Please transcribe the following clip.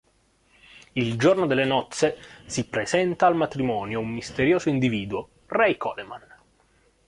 Il giorno delle nozze, si presenta al matrimonio un misterioso individuo, Ray Coleman.